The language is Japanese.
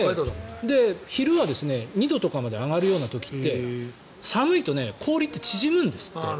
昼は２度とかまで上がる時って寒いと氷って縮むんですって。